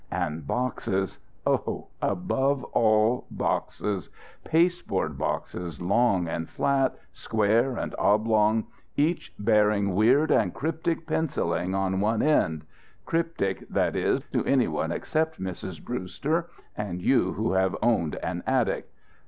And boxes oh, above all, boxes; pasteboard boxes, long and flat, square and oblong, each bearing weird and cryptic pencilings on one end; cryptic, that, is to anyone except Mrs. Brewster and you who have owned an attic.